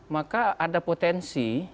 maka ada potensi